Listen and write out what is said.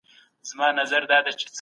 د تاریخي اثارو ساتنه کیده.